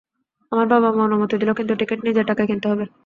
আমার বাবা-মা অনুমতি দিল, কিন্তু টিকিট নিজের টাকায় কিনতে হবে।